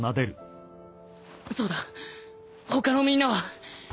そうだ他のみんなは。